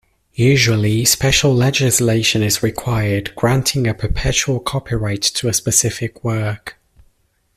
Usually, special legislation is required, granting a perpetual copyright to a specific work.